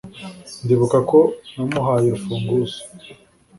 Ndibuka ko namuhaye urufunguzo